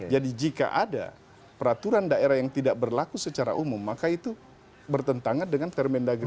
jadi jika ada peraturan daerah yang tidak berlaku secara umum maka itu bertentangan dengan permendagri